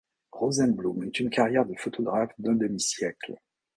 Rosenblum eut une carrière de photographe d'un demi-siècle.